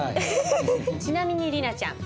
ちなみに莉奈ちゃん。